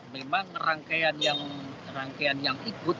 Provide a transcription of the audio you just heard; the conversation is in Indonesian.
memang rangkaian yang ikut rangkaian kederahan yang ikut